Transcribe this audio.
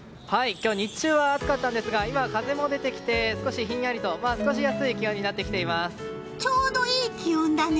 今日、日中は暑かったんですが今は風も出てきて少しひんやりと過ごしやすいちょうどいい気温だね。